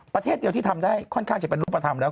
ประเทศเดียวที่ทำได้ค่อนข้างจะเป็นรูปธรรมแล้ว